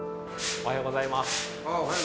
おはようございます。